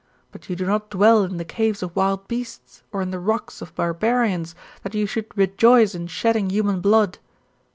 But you do not dwell in the caves of wild beasts, or in the rocks of barbarians, that you should rejoice in shedding human blood."